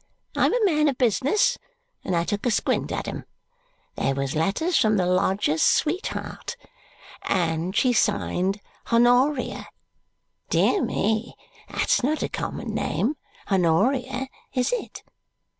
I'm a man of business, and I took a squint at 'em. They was letters from the lodger's sweetheart, and she signed Honoria. Dear me, that's not a common name, Honoria, is it?